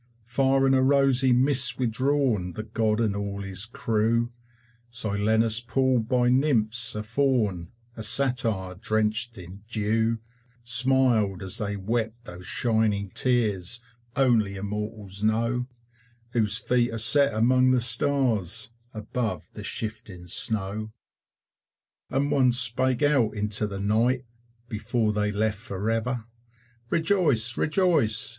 Far in a rosy mist withdrawn The God and all his crew, Silenus pulled by nymphs, a faun, A satyr drenched in dew, Smiled as they wept those shining tears Only Immortals know, Whose feet are set among the stars, Above the shifting snow. And one spake out into the night, Before they left for ever, "Rejoice, rejoice!"